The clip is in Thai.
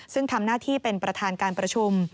ซึ่งทำหน้าที่เป็นประธานการประชุม